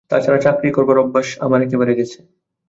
তা ছাড়া চাকরি করবার অভ্যাস আমার একেবারে গেছে।